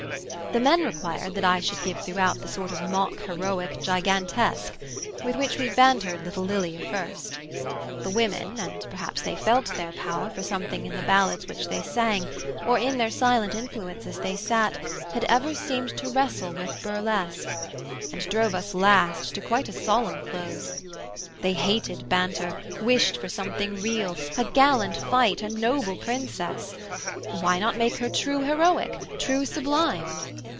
The men required that I should give throughout The sort of mock heroic gigantesque, With which we bantered little Lilia first: The women and perhaps they felt their power, For something in the ballads which they sang, Or in their silent influence as they sat, Had ever seemed to wrestle with burlesque, And drove us, last, to quite a solemn close They hated banter, wished for something real, A gallant fight, a noble princess why Not make her true heroic true sublime?